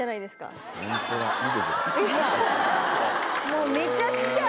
もうめちゃくちゃ。